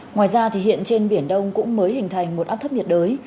ngoài ra hiện trên biển đông cũng mới hình thành một áp thấp nhiệt đới